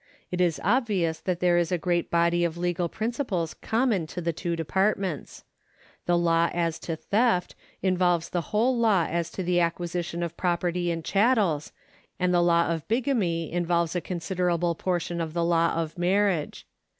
It is obvious that there is a great body of legal principles common to the two departments. The law as to theft involves the whole law as to the acquisition of property in chattels, and the law of bigamy involves a considerable portion of the law of marriage.